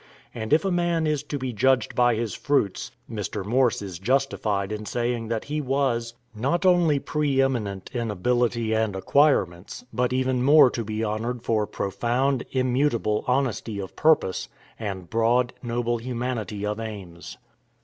And if a man is to be judged by his fruits, Mr. Morse is justified in saying that he was "not only pre eminent in ability and acquirements, but even more to be honored for profound, immutable honesty of purpose, and broad, noble humanity of aims." [Illustration: John Q. Adams.